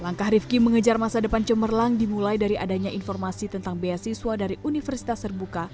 langkah rifki mengejar masa depan cemerlang dimulai dari adanya informasi tentang beasiswa dari universitas terbuka